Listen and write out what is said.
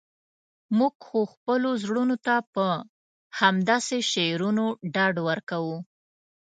موږ خو خپلو زړونو ته په همداسې شعرونو ډاډ ورکوو.